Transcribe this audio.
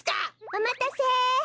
おまたせ。